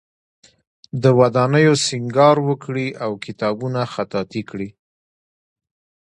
د ودانیو سینګار وکړي او کتابونه خطاطی کړي.